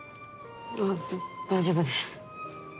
あっ大丈夫です。